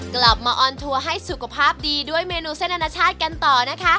กลับมาออนทัวร์ให้สุขภาพดีด้วยเมนูเส้นอนาชาติกันต่อนะคะ